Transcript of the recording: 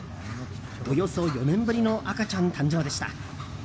およそ４年ぶりの赤ちゃん誕生でした。